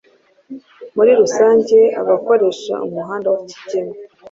Muri rusange abakoresha umuhanda wa Kigeme